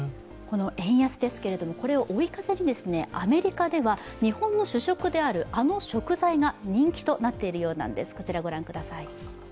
円安ですけれども、これを追い風にアメリカでは日本の主食である、あの食材が人気となっているようです。